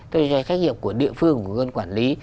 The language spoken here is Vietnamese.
thì là trách nhiệm của địa phương của ngân quản lý